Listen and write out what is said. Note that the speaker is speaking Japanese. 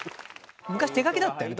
昔手書きだったよね